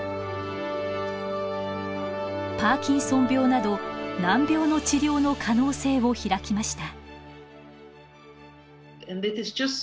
パーキンソン病など難病の治療の可能性を開きました。